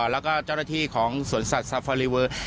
แล้วก็เจ้าหน้าที่ของสวนสัตว์ซาฟารีเวอร์